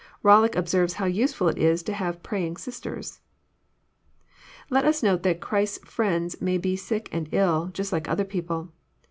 Bollock observes how useful it is to have praying sisters. Let us note that Christ's friends may be sick and ill, Just like other people.